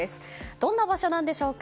どんな場所なんでしょうか。